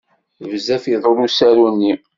Bezzaf iḍul usaru-nni.